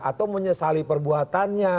atau menyesali perbuatannya